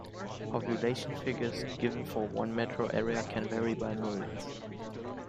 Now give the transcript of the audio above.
Population figures given for one metro area can vary by millions.